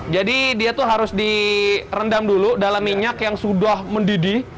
dia tuh harus direndam dulu dalam minyak yang sudah mendidih